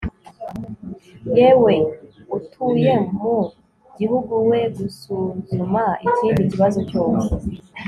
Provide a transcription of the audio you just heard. yewe utuye mu gihugu we gusuzuma ikindi kibazo cyose